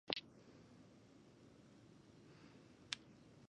The main event pitted Shane Strickland against Ricochet.